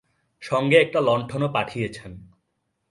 সঙ্গে একটা লণ্ঠনও পাঠিয়েছেন।